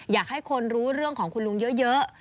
อยากให้คนรู้เรื่องของคุณลุงเยอะ